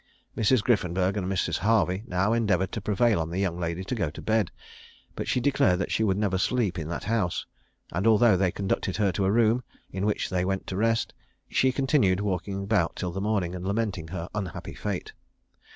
Mrs. Griffenburg and Mrs. Harvey now endeavoured to prevail on the young lady to go to bed; but she declared that she would never sleep in that house; and although they conducted her to a room in which they went to rest, she continued walking about till the morning, and lamenting her unhappy fate.